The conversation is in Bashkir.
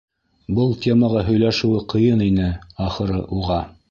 Был темаға һөйләшеүе ҡыйын ине, ахыры, уға.